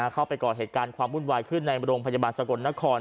เข้าไปก่อเหตุการณ์ความวุ่นวายขึ้นในโรงพยาบาลสกลนคร